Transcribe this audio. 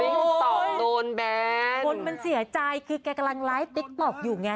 ตอบโดนแบนคนมันเสียใจคือแกกำลังไลฟ์ติ๊กต๊อกอยู่ไง